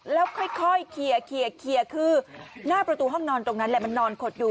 แล้วค่อยเคลียร์คือหน้าประตูห้องนอนตรงนั้นแหละมันนอนขดอยู่